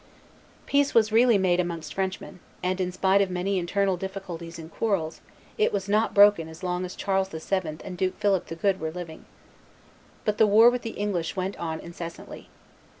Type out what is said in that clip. Peace was really made amongst Frenchmen; and, in spite of many internal difficulties and quarrels, it was not broken as long as Charles VII. and Duke Philip the Good were living. But the war with the English went on incessantly.